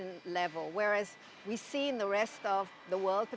sedangkan kita melihat di seluruh dunia